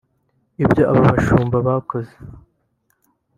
Ibyo aba bashumba bakoze